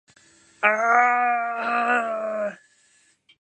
あああああああああああああああああああ